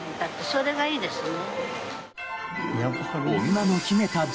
それがいいですね。